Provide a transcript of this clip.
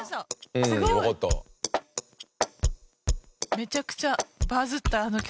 めちゃくちゃバズったあの曲。